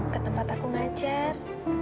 ke tempat aku ngajar